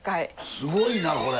すごいなこれ。